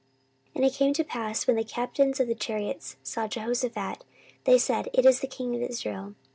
14:018:031 And it came to pass, when the captains of the chariots saw Jehoshaphat, that they said, It is the king of Israel.